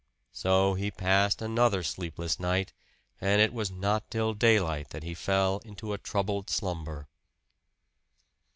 So he passed another sleepless night, and it was not till daylight that he fell into a troubled slumber.